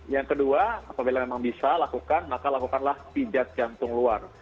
yang kedua apabila memang bisa lakukan maka lakukanlah pijat jantung luar